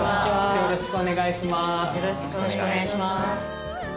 よろしくお願いします。